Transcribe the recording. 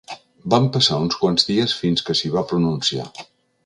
Van passar uns quants dies fins que s’hi va pronunciar.